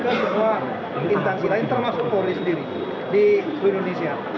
ke semua instansi lain termasuk poli sendiri di indonesia